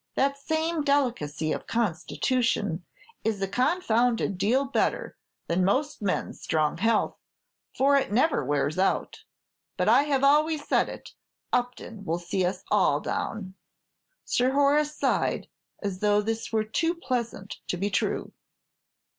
That same delicacy of constitution is a confounded deal better than most men's strong health, for it never wears out; but I have always said it, Upton will see us all down!" Sir Horace sighed, as though this were too pleasant to be true.